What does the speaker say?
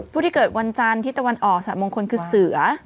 ผู้ที่เกิดวันจันทร์ทิศตะวันออกสัตวมงคลคือเสือ